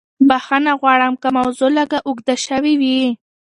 بښنه غواړم که موضوع لږه اوږده شوې وي.